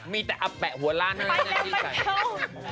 มีแต่อับแปะหัวล่างไม่มีกัญญาเซอร์